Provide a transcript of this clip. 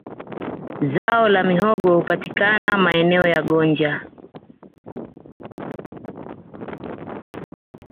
Zai la mihogo hupatikana maeneo ya gonja